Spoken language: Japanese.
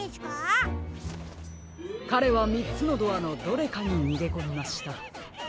かれはみっつのドアのどれかににげこみました。